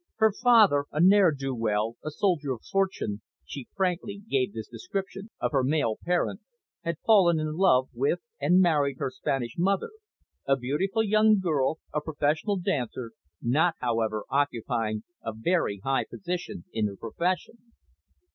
Her father, a ne'er do well, a soldier of fortune she frankly gave this description of her male parent had fallen in love with and married her Spanish mother, a beautiful young girl, a professional dancer, not, however, occupying a Very high position in her profession.